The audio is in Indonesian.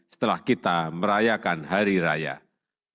setelah kita merayakan hari raya bersama keluarga dan sanak saudara